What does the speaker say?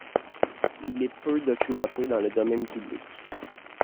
Il est peu documenté dans le domaine public.